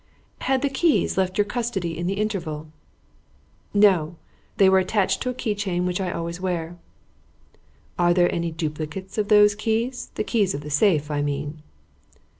"Had the keys left your custody in the interval?" "No. They were attached to a key chain, which I always wear." "Are there any duplicates of those keys? the keys of the safe, I mean."